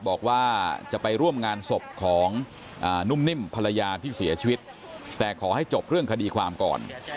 บอกว่าจะไปร่วมงานศพของนุ่มนิ่มภรรยาที่เสียชีวิตแต่ขอให้จบเรื่องคดีความก่อน